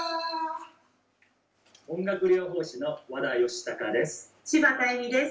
音楽療法士の和田義孝です。